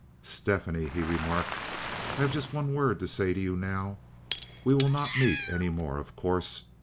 "Stephanie," he remarked, "I have just one word to say to you now. We will not meet any more, of course.